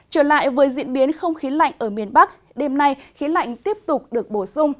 trở lại với diễn biến không khí lạnh ở miền bắc đêm nay khí lạnh tiếp tục được bổ sung